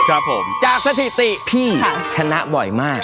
ครับผมจากสถิติพี่ชนะบ่อยมาก